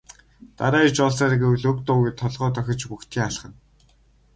Дараа ирж уулзаарай гэвэл үг дуугүй толгой дохиж бөгтийн алхана.